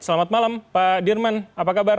selamat malam pak dirman apa kabar